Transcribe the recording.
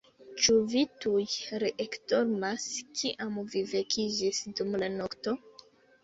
Ĉu vi tuj reekdormas, kiam vi vekiĝis dum la nokto?